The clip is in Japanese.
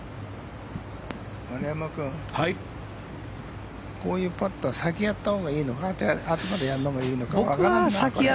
丸山君、こういうパットは先にやったほうがいいのかあとからやるのがいいか分からないな。